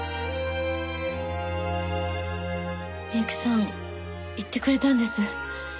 美由紀さん言ってくれたんです。